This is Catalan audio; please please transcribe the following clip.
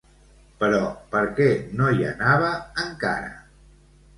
Però per què no hi anava encara?